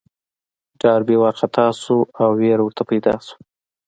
ډاربي وارخطا شو او وېره ورته پيدا شوه.